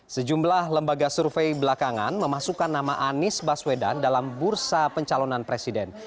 sejumlah lembaga survei belakangan memasukkan nama anies baswedan dalam bursa pencalonan presiden